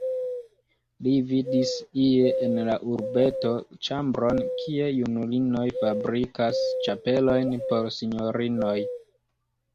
Li vidis ie en la urbeto ĉambron, kie junulinoj fabrikas ĉapelojn por sinjorinoj.